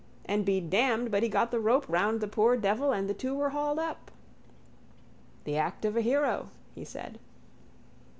And be damned but he got the rope round the poor devil and the two were hauled up. —The act of a hero, he said.